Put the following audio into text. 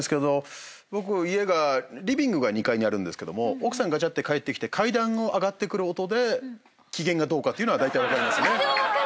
僕家がリビングが２階にあるんですけども奥さんガチャって帰ってきて階段を上がってくる音で機嫌がどうかっていうのはだいたい分かりますね。